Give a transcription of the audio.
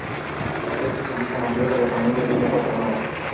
Él es el hijo mayor de la familia y tiene cuatros hermanas.